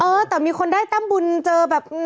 เออแต่มีคนได้แต้มบุญเจอแบบ